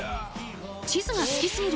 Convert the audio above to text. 地図が好きすぎる